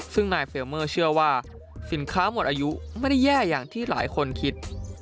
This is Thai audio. ซึ่งนายเฟลเมอร์เชื่อว่าสินค้าหมดอายุไม่ได้แย่อย่างที่หลายคนคิด